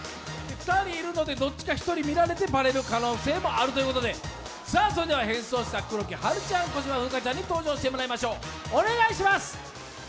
２人いるのでどっちか１人見られてバレる可能性もあるということで、変装した黒木華ちゃん、小芝風花ちゃんに登場してもらいましょう。